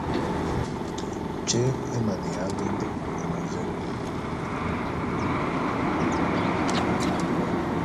Tyé émaneya ya lende, one vé ?